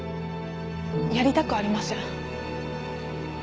やりたくありません。